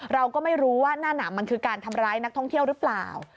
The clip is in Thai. เราก็ไม่รู้ว่านั่นมันคือการทำร้ายนักท่องเที่ยวหรือเปล่า